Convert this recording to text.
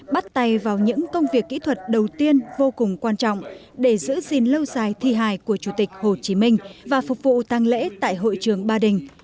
bắt tay vào những công việc kỹ thuật đầu tiên vô cùng quan trọng để giữ gìn lâu dài thi hài của chủ tịch hồ chí minh và phục vụ tăng lễ tại hội trường ba đình